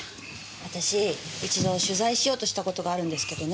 私一度取材しようとした事があるんですけどね。